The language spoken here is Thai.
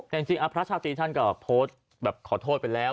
แต่จริงพระชาตรีท่านก็โพสต์แบบขอโทษไปแล้ว